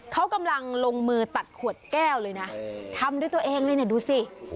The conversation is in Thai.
เขากำลังลงมือตัดขวดแก้วเลยนะทำด้วยตัวเองเลยเนี่ยดูสิ